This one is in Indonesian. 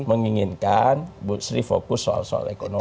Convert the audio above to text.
menginginkan gusri fokus soal soal ekonomi